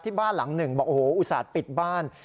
บ้านหลังหนึ่งบอกโอ้โหอุตส่าห์ปิดบ้าน